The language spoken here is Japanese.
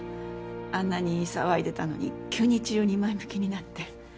あんなに騒いでたのに急に治療に前向きになって。